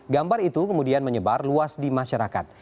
gambar itu kemudian menyebar luas di masyarakat